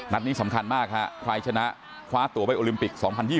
นี้สำคัญมากฮะใครชนะคว้าตัวไปโอลิมปิก๒๐๒๐